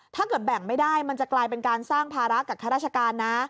ถ้าเกิดแบ่งไม่ได้มันจะกลายเป็นการสร้างภาระกับข้าราชการนะ